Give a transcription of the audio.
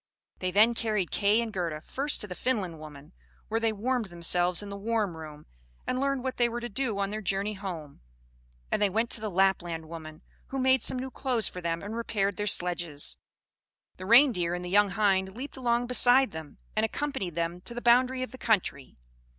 They then carried Kay and Gerda first to the Finland woman, where they warmed themselves in the warm room, and learned what they were to do on their journey home; and they went to the Lapland woman, who made some new clothes for them and repaired their sledges. The Reindeer and the young hind leaped along beside them, and accompanied them to the boundary of the country.